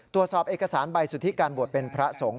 ตรวจสอบเอกสารใบสุทธิการบวชเป็นพระสงฆ์